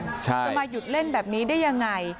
ทำให้เครื่องเสียงมาหยุดเล่นแบบนี้ได้ยังไง